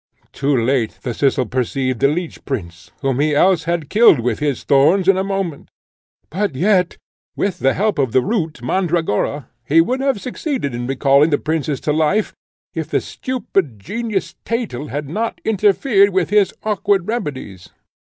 Too late the Thistle perceived the Leech Prince, whom he else had killed with his thorns in a moment; but yet, with the help of the root, Mandragora, he would have succeeded in recalling the princess to life, if the stupid genius, Thetel, had not interfered with his awkward remedies.